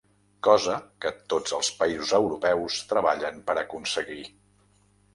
Cosa que tots els països europeus treballen per aconseguir.